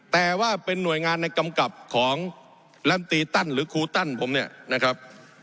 แต่ว่าเป็นหน่วยงานในกำกับของลำตีตั้นหรือครูตั้นผมเนี่ยนะครับ